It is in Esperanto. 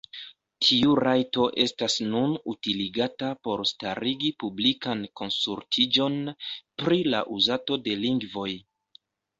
Tiu rajto estas nun utiligata por starigi publikan konsultiĝon pri la uzado de lingvoj.